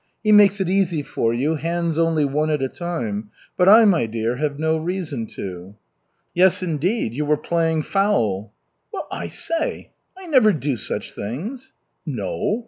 He makes it easy for you, hands only one at a time, but I, my dear, have no reason to." "Yes, indeed! You were playing foul!" "Well, I say! I never do such things." "No?